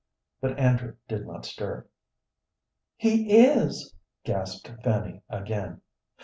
But Andrew did not stir. "He is!" gasped Fanny, again.